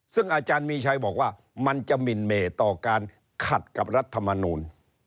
ซึ่งอาจารย์มีชัยบอกว่ามันจะหมินเมต่อการขัดกับรัฐมนูล